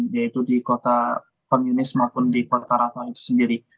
yaitu di kota komunis maupun di kota rafah itu sendiri